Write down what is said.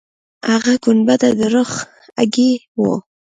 هغه ګنبده د رخ هګۍ وه.